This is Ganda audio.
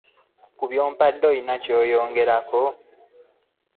Ku by'ompadde olina ky'oyongerako?